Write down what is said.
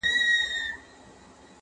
خو ذهنونه لا هم زخمي دي،